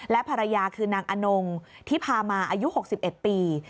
และภรรยาคือนางอนงที่พามาอายุ๖๑ปี